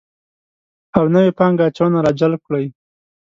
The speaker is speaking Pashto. او نوې پانګه اچونه راجلب کړي